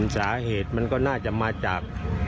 สาเหตุมันก็น่าจะมาจาก